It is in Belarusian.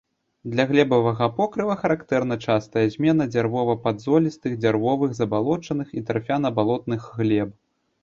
Для глебавага покрыва характэрна частая змена дзярнова-падзолістых, дзярновых забалочаных і тарфяна-балотных глеб.